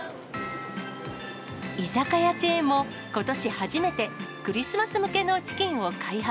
居酒屋チェーンもことし初めて、クリスマス向けのチキンを開発。